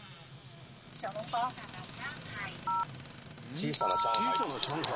小さな上海？